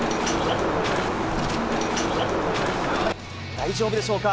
大丈夫でしょうか。